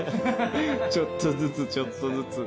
ちょっとずつちょっとずつ。